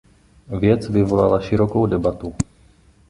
Věc vyvolala širokou debatu.